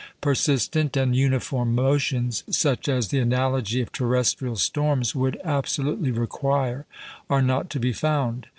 Persistent and uniform notions, such as the analogy of terrestrial storms would absolutely require, are not to be found.